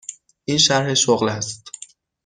این شرح شغل است.